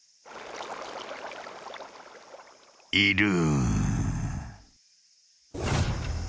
［いる］